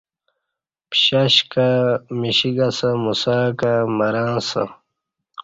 پشش کہ مشیک اسہ موسہ کہ مرں اسہ